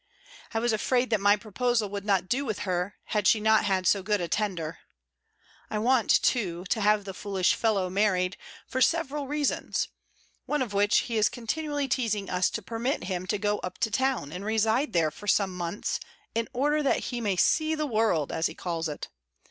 I was afraid that my proposal would not do with her, had she not had so good a tender. I want too, to have the foolish fellow married for several reasons; one of which is, he is continually teasing us to permit him to go up to town, and reside there for some months, in order that he may see the world, as he calls it.